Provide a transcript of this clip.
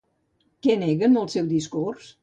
Què nega en el seu discurs?